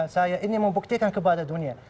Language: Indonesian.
saya ini membuktikan kepada dunia